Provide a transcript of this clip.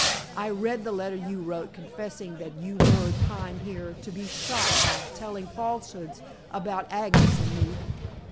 I read the letter you wrote confessing that you had lured Pine here to be shot by telling falsehoods about Agnes and me."